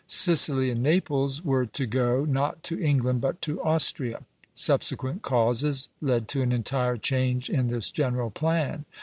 Sicily and Naples were to go, not to England, but to Austria. Subsequent causes led to an entire change in this general plan.